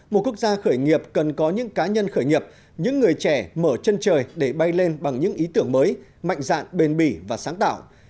một quốc gia khởi nghiệp cần có những cá nhân khởi nghiệp những người trẻ mở chân trời để bay lên bằng những ý tưởng mới mạnh dạn bền bỉ và sáng tạo